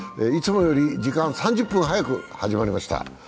いつもより時間が３０分早く始まりました。